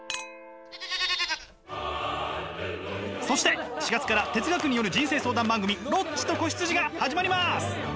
そして４月から哲学による人生相談番組「ロッチと子羊」が始まります！